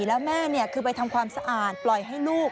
แล้วแม่คือไปทำความสะอาดปล่อยให้ลูก